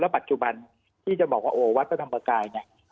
ปัจจุบันที่จะบอกว่าโอ้วัดพระธรรมกายเนี่ย